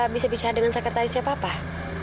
bisa bicara dengan sakitari siapa pak